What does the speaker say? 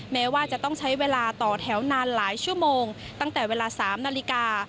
แม้ว่าจะต้องใช้เวลาต่อแถวนานหลายชั่วโมงตั้งแต่เวลา๓นาฬิกา